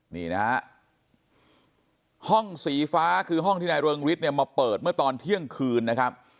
นี่นะฮะห้องสีฟ้าคือห้องที่นายเริงฤทธิเนี่ยมาเปิดเมื่อตอนเที่ยงคืนนะครับ